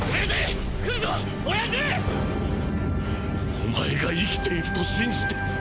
おまえが生きていると信じて